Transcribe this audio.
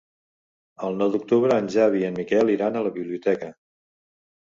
El nou d'octubre en Xavi i en Miquel iran a la biblioteca.